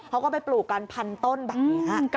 เขาก็ไปปลูกกันพันต้นแบบนี้